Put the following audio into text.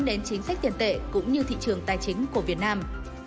đến chính sách tiền tệ cũng như thị trường tài chính của việt nam